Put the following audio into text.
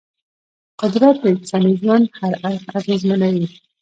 قدرت د انساني ژوند هر اړخ اغېزمنوي.